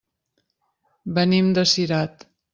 Venim de Cirat.